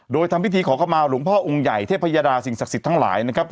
โดยทำพิธีขอเข้ามาหลวงพ่อองค์ใหญ่เทพยดาสิ่งศักดิ์สิทธิ์ทั้งหลายนะครับ